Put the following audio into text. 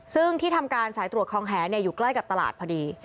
ซึ่งที่ทำการสายตรวจคลองแหอยู่ใกล้กับตลาดพอดี